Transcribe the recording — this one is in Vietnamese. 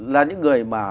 là những người mà